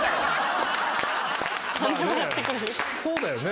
そうだよね。